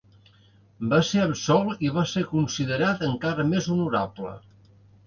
Va ser absolt i va ser considerat encara més honorable.